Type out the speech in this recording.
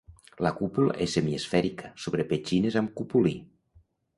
La cúpula és semiesfèrica sobre petxines amb cupulí.